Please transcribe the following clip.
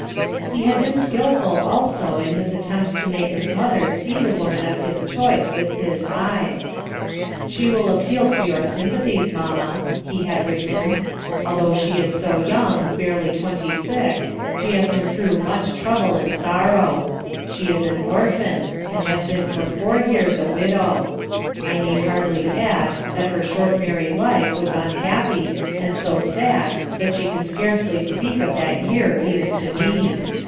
He had been skilful also in his attempt to make his mother see the woman of his choice with his eyes* "She will appeal to your sympathies, mamma/' he had written, "Although she is so young, barely twenty six, she has been through much trouble and sorrow. She is an orphan, and has been for four years a widow. I need hardly acid that her short married life was unhappy and so sad that she can scarcely speak of that year even to me.